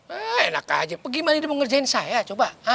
eh enak aja gimana dia mau ngerjain saya coba